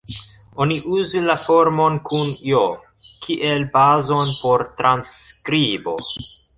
Oni uzu la formon kun "j" kiel bazon por transskribo.